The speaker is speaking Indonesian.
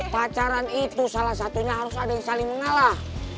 pacaran itu salah satunya harus ada yang saling mengalah